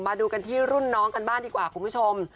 มาดูกันที่รุ่นน้องกันบ้างดีกว่าคุณผู้ชม